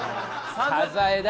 サザエだ！